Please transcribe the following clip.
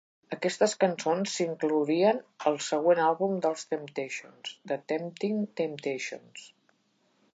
Aquestes cançons s'inclourien al següent àlbum dels "Temptations", "The Temptin' Temptations".